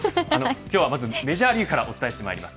今日はまず、メジャーリーグからお伝えしてまいります。